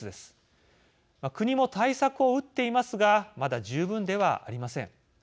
国も対策を打っていますがまだ十分ではありません。